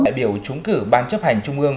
đại biểu chúng cử ban chấp hành trung ương